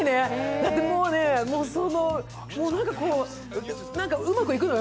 だってもうね、何かうまくいくのよ